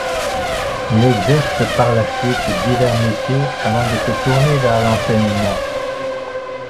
Il exerce par la suite divers métiers avant de se tourner vers l'enseignement.